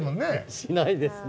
しないですね。